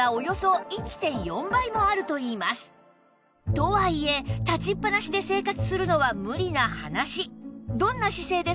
とはいえ立ちっぱなしで生活するのは無理な話